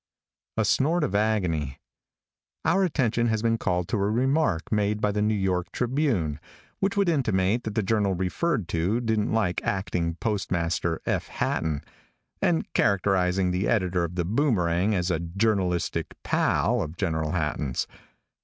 A SNORT OF AGONY. |OUR attention has been called to a remark made by the New York Tribune, which would intimate that the journal referred to didn't like Acting Postmaster F. Hatton, and characterizing the editor of The Boomerang as a "journalistic pal" of General Hatton's.